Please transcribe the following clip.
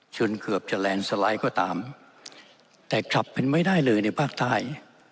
จนเกือบจะแลนด์สไลด์ก็ตามแต่กลับเป็นไม่ได้เลยในภาคใต้